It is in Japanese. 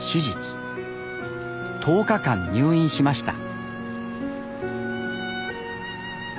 １０日間入院しました。